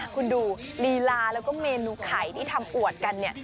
คุณดูลีลาแล้วก็เมนูไข่ที่ทำอวดกันเนี่ย